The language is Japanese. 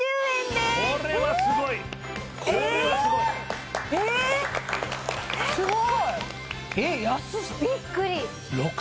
すっごい。